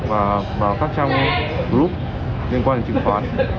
và vào các trang group liên quan đến chứng khoán